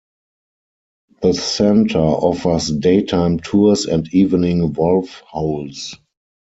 The Center offers daytime tours and evening wolf howls.